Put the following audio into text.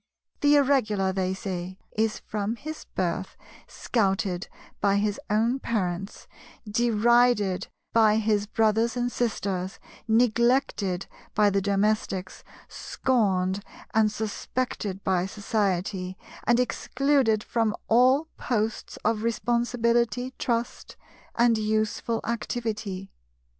"The Irregular," they say, "is from his birth scouted by his own parents, derided by his brothers and sisters, neglected by the domestics, scorned and suspected by society, and excluded from all posts of responsibility, trust, and useful activity.